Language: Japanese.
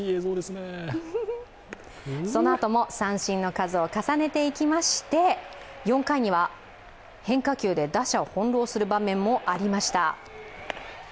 そのあとも三振の数を重ねていきまして、４回には変化球で打者を翻弄する場面もありました。